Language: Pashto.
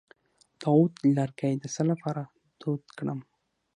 د عود لرګی د څه لپاره دود کړم؟